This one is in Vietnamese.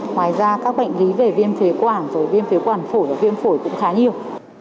ngoài ra bệnh lý về viêm khỏe quản viêm khỏe quản phổi viêm phổi cũng khá nhiều